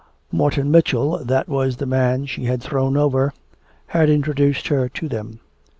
Morton Mitchell, that was the man she had thrown over, had introduced her to them.